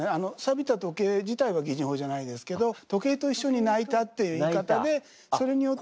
「びた時計」自体は擬人法じゃないですけど時計と一緒に泣いたっていう言い方でそれによって。